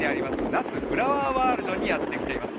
那須フラワーワールドにやってきています。